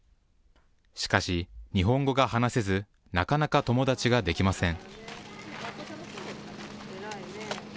しかし、日本語が話せず、なかなか友達ができません。